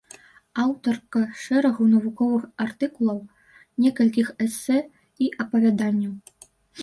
Аўтарка шэрагу навуковых артыкулаў, некалькіх эсэ і апавяданняў.